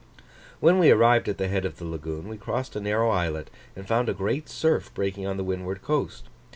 When we arrived at the head of the lagoon, we crossed a narrow islet, and found a great surf breaking on the windward coast.